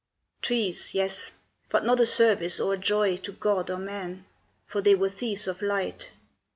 "Trees, yes; but not a service or a joy To God or man, for they were thieves of light.